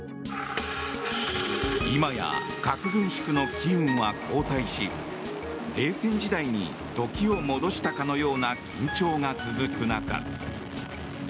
今や核軍縮の機運は後退し冷戦時代に時を戻したかのような緊張が続く中